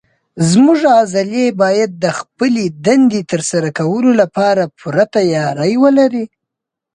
زموږ عضلې باید د خپلې دندې تر سره کولو لپاره پوره تیاری ولري.